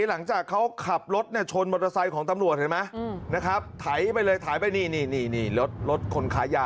หลังจากเขาขับรถชนมอเตอร์ไซต์ของตำรวจเห็นมั้ยนะครับไถไปเลยไถไปนี่นี่นี่นี่นี่รถคนค้ายา